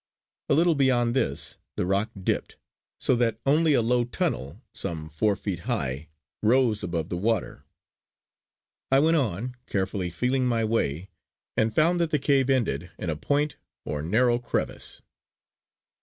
A little beyond this again, the rock dipped, so that only a low tunnel, some four feet high, rose above the water. I went on, carefully feeling my way, and found that the cave ended in a point or narrow crevice.